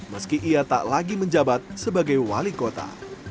meski ia tak lagi menjabat sebagai wali kota